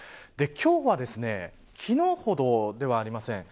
今日は昨日ほどではありません。